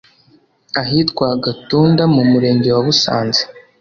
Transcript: Ahitwa Gatunda mu murenge wa Busanze